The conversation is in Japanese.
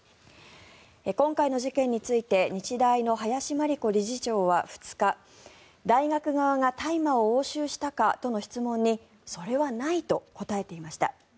今回の事件について日大の林真理子理事長は２日大学側が大麻を押収したかとの質問にそれはないと答えていました。